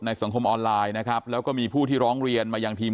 สังคมออนไลน์นะครับแล้วก็มีผู้ที่ร้องเรียนมายังทีม